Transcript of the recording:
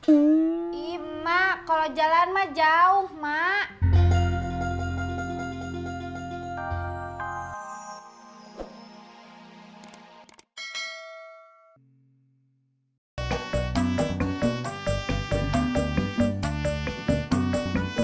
ih emak kalo jalan emak jauh emak